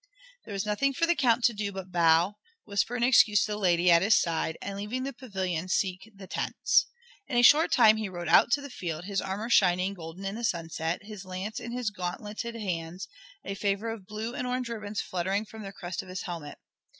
There was nothing for the Count to do but bow, whisper an excuse to the lady at his side, and leaving the pavilion seek the tents. In a short time he rode out into the field, his armor shining golden in the sunset, his lance in his gauntleted hands, a favor of blue and orange ribbons fluttering at the crest of his helmet.